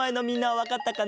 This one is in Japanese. わかった！